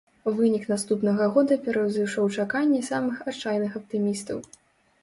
Вынік наступнага года пераўзышоў чаканні самых адчайных аптымістаў.